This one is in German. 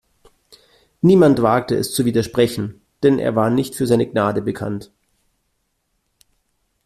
Niemand wagte es zu widersprechen, denn er war nicht für seine Gnade bekannt.